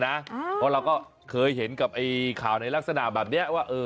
มาเราก็เคยเห็นกับไอข่าวในลักษณะแบบนี้ว่าเออ